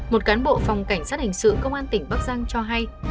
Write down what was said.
một cán bộ phòng cảnh sát hình sự công an tỉnh bắc giang cho hay